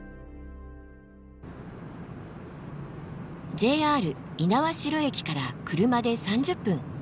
ＪＲ猪苗代駅から車で３０分。